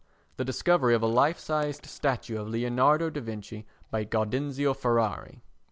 The discovery of a life sized statue of Leonardo da Vinci by Gaudenzio Ferrari.